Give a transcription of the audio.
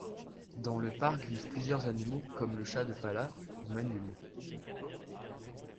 Dans le parc vivent plusieurs animaux comme le Chat de Pallas, ou manul.